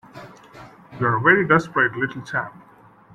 You're a very desperate little chap.